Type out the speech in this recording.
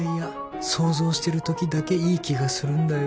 想像してるときだけいい気がするんだよ